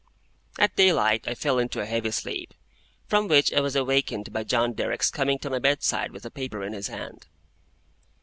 At daylight I fell into a heavy sleep, from which I was awakened by John Derrick's coming to my bedside with a paper in his hand.